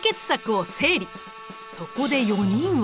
そこで４人は。